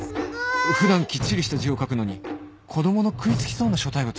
普段きっちりした字を書くのに子供の食い付きそうな書体を使ってきた